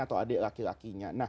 atau adik laki lakinya